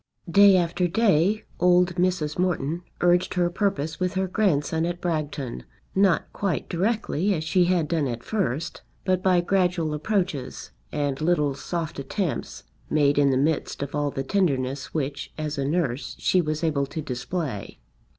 Day after day old Mrs. Morton urged her purpose with her grandson at Bragton, not quite directly as she had done at first, but by gradual approaches and little soft attempts made in the midst of all the tenderness which, as a nurse, she was able to display.